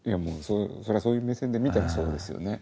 そらそういう目線で見たらそうですよね。